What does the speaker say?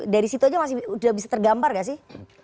dari situ aja masih udah bisa tergambar gak sih